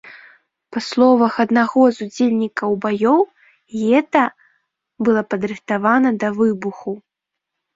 Па словах аднаго з удзельнікаў баёў, гета было падрыхтавана да выбуху.